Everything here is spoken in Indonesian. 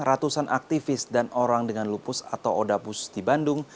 ratusan aktivis dan orang dengan lupus atau odapus di bandung